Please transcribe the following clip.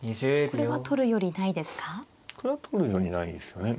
これは取るよりないですね。